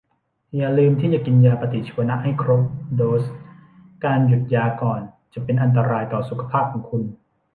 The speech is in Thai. อย่าลืมที่จะกินยาปฏิชีวนะให้ครบโดส การหยุดยาก่อนจะเป็นอันตรายต่อสุขภาพของคุณ